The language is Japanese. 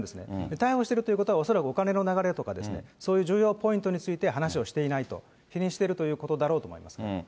逮捕しているということは、恐らくお金の流れとか、そういう重要ポイントについて話をしていないと、否認しているということだろうと思います。